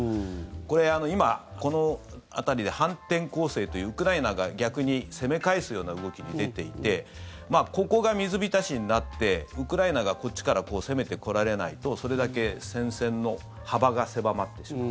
これ、今、この辺りで反転攻勢というウクライナが逆に攻め返すような動きに出ていてここが水浸しになってウクライナがこっちから攻めてこられないとそれだけ戦線の幅が狭まってしまう。